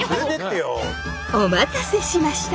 お待たせしました！